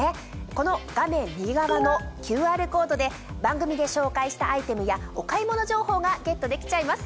この画面右側のＱＲコードで番組で紹介したアイテムやお買い物情報がゲットできちゃいます。